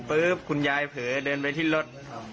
คุณยายเผลอเดินไปที่รถ